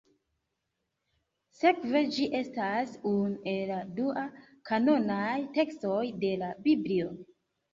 Sekve ĝi estas unu el la dua-kanonaj tekstoj de la Biblio.